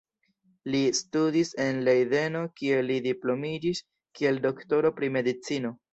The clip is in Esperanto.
Li studis en Lejdeno kie li diplomiĝis kiel doktoro pri medicino.